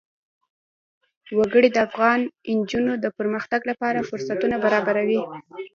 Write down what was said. وګړي د افغان نجونو د پرمختګ لپاره فرصتونه برابروي.